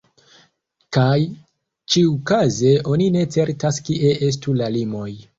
Kaj ĉiukaze oni ne certas kie estu la limoj.